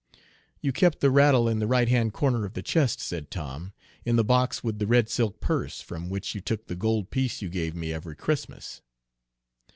"You kept the rattle in the right hand corner of the chest," said Tom, "in the box with the red silk purse, from which you took the gold piece you gave me every Christmas."